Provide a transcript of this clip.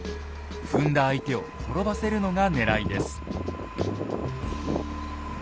踏んだ相手を転ばせるのがねらいです。